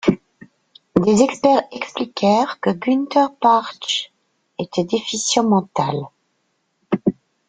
Des experts expliquèrent que Günter Parche était déficient mental.